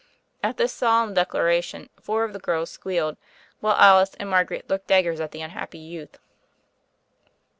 At this solemn declaration, four of the girls squealed, while Alice and Margaret looked dag gers at the unhappy youth.